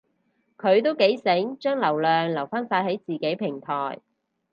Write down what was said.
佢都幾醒，將流量留返晒喺自己平台